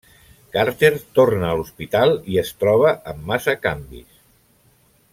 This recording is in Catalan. Carter torna a l'hospital i es troba amb massa canvis.